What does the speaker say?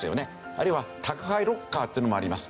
あるいは宅配ロッカーっていうのもあります。